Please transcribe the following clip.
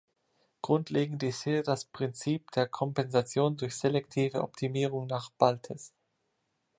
Grundlegend ist hier das "Prinzip der Kompensation durch selektive Optimierung" nach Baltes.